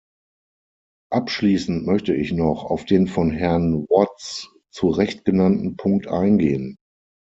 Abschließend möchte ich noch auf den von Herrn Watts zu Recht genannten Punkt eingehen.